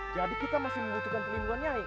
jadi kita masih membutuhkan perlindungan nyai